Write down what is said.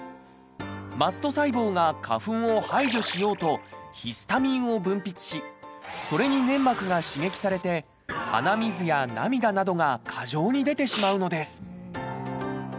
マスト細胞が花粉を排除しようとヒスタミンを分泌しそれに粘膜が刺激されて鼻水や涙などが過剰に出てしまうのです。